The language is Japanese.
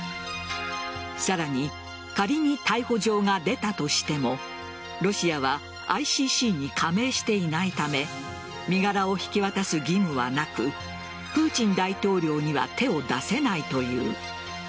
さらに仮に逮捕状が出たとしてもロシアはＩＣＣに加盟していないため身柄を引き渡す義務はなくプーチン大統領には手を出せないという。